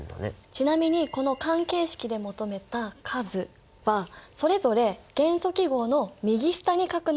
ちなみにこの関係式で求めた数はそれぞれ元素記号の右下に書くのが決まり。